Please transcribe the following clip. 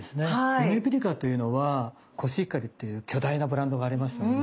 ゆめぴりかというのはコシヒカリっていう巨大なブランドがありますよね。